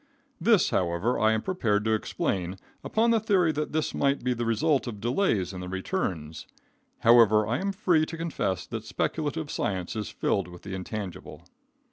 This, however, I am prepared to explain upon the theory that this might be the result of delays in the returns However, I am free to confess that speculative science is filled with the intangible.